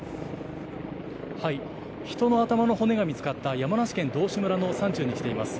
人の頭の骨が見つかった山梨県道志村の山中に来ています。